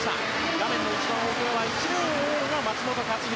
画面の一番奥１レーンを泳ぐのが松元克央。